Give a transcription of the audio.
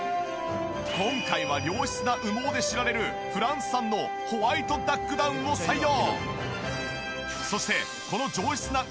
今回は良質な羽毛で知られるフランス産のホワイトダックダウンを採用。